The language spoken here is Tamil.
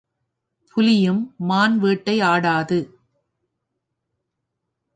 புலியும் மான் வேட்டை ஆடாது.